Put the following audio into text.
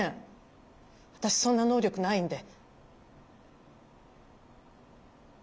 私そんな能力ないんで。